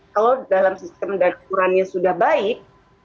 kalau dalam sistem dan ukurannya sudah baik